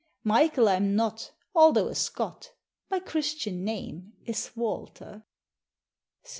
Michael I'm not although a Scott My Christian name is Walter." XXXII.